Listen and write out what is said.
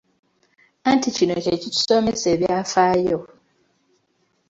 Anti kino kye kitusomesesa ebyafaayo!